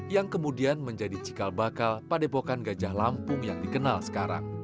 yang kemudian menjadi cikal bakal pada epokan gajah lampung yang dikenal sekarang